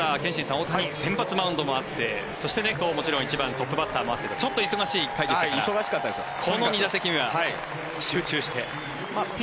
大谷、先発マウンドもあってそして１番トップバッターもあってとちょっと忙しい回でしたがこの２打席目は集中して。